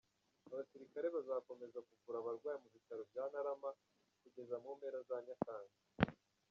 Abasirikare bazakomeza kuvura abarwayi mu bitaro bya Ntarama kugeza mu mpera za Nyakanga.